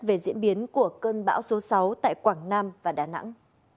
về diễn biến của cơn bão số sáu tại quảng nam và đà nẵng